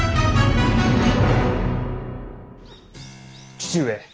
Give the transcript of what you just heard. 父上。